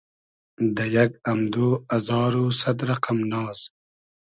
دۂ یئگ امدۉ ازار و سئد رئقئم ناز